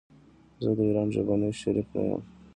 زه د ايران ژبني شريک نه يم.